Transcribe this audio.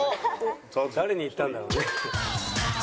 誰にいったんだろうね。